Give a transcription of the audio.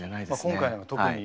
今回のは特に。